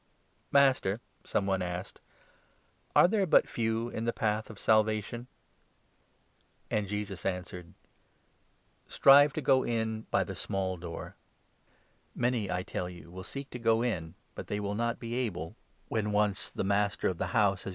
" Master," some one asked, "are there but few in the path 23 of Salvation ?" And Jesus answered :" Strive to go in by the small door. Many, I tell you, will 24 seek to go in, but they will not be able when once the 25 19 Dan.